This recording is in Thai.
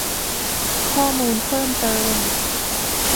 ข้อมูลเพิ่มเติม